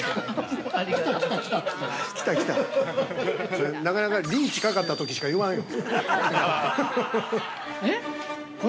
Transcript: ◆それ、なかなかリーチかかったときしか言わんよ。